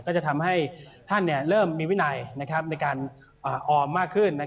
ก็จะทำให้ท่านเริ่มมีวินัยในการออมมากขึ้น